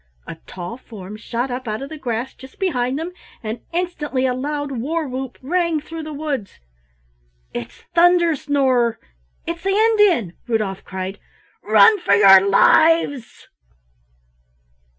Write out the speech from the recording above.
A tall form shot up out of the grass just behind them, and instantly a loud war whoop rang through the woods. "It's Thunder snorer it's the Indian," Rudolf cried. "Run for your lives!"